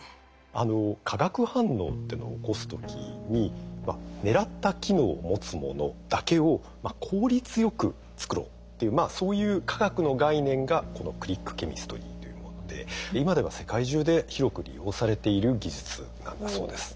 化学反応っていうのを起こす時に狙った機能を持つものだけを効率よく作ろうっていうそういう化学の概念がこのクリックケミストリーというもので今では世界中で広く利用されている技術なんだそうです。